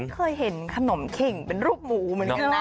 เคยเห็นขนมเข่งเป็นรูปหมูเหมือนกันนะ